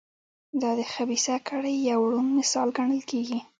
دا د خبیثه کړۍ یو روڼ مثال ګڼل کېږي.